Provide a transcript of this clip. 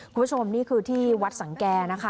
คุณผู้ชมนี่คือที่วัดสังแก่นะคะ